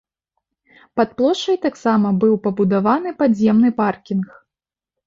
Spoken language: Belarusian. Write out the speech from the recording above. Пад плошчай таксама быў пабудаваны падземны паркінг.